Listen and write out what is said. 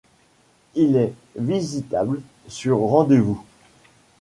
Il est visitable sur rendez-vous.